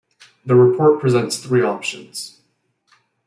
The report presents three options.